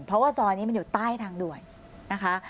เพราะว่าซอยนี้มันอยู่ใต้ทางด่วนนะคะ